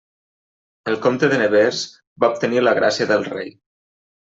El comte de Nevers va obtenir la gràcia del rei.